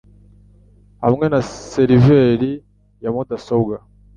hamwe na seriveri ya mudasobwa